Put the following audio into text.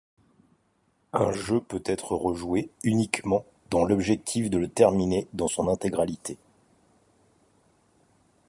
Un jeu peut être rejoué uniquement dans l'objectif de le terminer dans son intégralité.